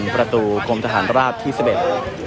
ประตูกรมทหารราบที่สิบเอ็ด